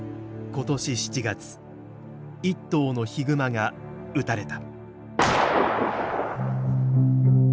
今年７月一頭のヒグマが撃たれた。